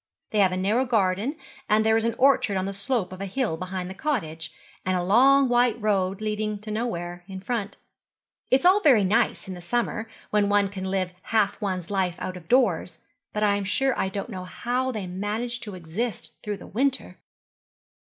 They have a narrow garden, and there is an orchard on the slope of a hill behind the cottage, and a long white road leading to nowhere in front. It is all very nice in the summer, when one can live half one's life out of doors, but I am sure I don't know how they manage to exist through the winter.'